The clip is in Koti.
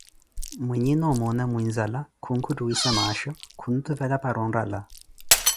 Mwiiinhe noo omoona muinzala, khunkutwissa maasho, khuntuvela para onrala.